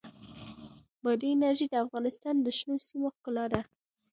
بادي انرژي د افغانستان د شنو سیمو ښکلا ده.